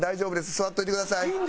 座っといてください。